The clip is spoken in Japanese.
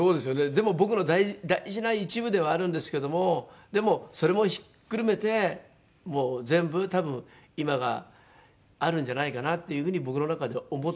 でも僕の大事な一部ではあるんですけどもでもそれもひっくるめてもう全部多分今があるんじゃないかなっていう風に僕の中では思っていますね。